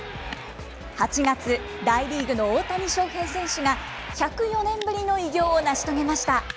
８月、大リーグの大谷翔平選手が、１０４年ぶりの偉業を成し遂げました。